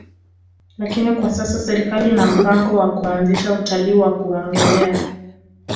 Lakini kwa sasa serikali ina mpango wa kuanzisha utalii wa kuogelea